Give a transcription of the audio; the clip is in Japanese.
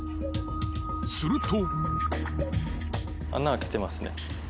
すると。